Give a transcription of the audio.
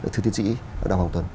thưa tiến sĩ đào hồng tuấn